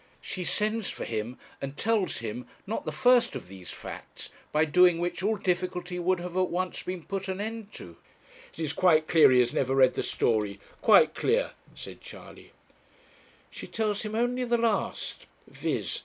She sends for him and tells him, not the first of these facts, by doing which all difficulty would have at once been put an end to ' 'It is quite clear he has never read the story, quite clear,' said Charley. 'She tells him only the last, viz.